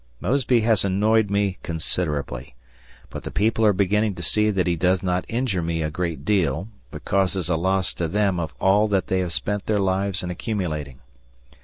Mosby has annoyed me considerably; but the people are beginning to see that he does not injure me a great deal, but causes a loss to them of all that they have spent their lives in accumulating.